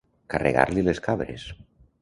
Carregar-li les cabres.